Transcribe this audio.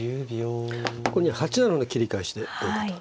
ここに８七の切り返しでということ。